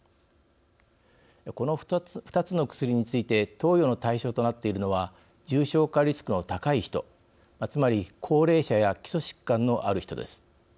この２つの薬について投与の対象となっているのは重症化リスクの高い人つまり高齢者や基礎疾患のある人です。